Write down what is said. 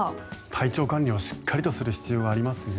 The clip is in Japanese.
体調管理はしっかりとする必要がありますね。